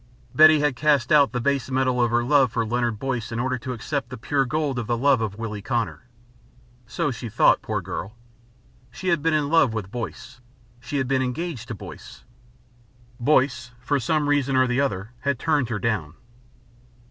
Betty had cast out the base metal of her love for Leonard Boyce in order to accept the pure gold of the love of Willie Connor. So she thought, poor girl. She had been in love with Boyce. She had been engaged to Boyce. Boyce, for some reason or the other, had turned her down.